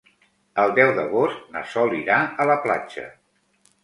El deu d'agost na Sol irà a la platja.